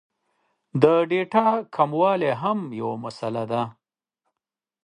د ډېټا کموالی هم یو مسئله ده